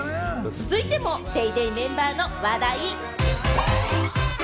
続いても『ＤａｙＤａｙ．』メンバーの話題。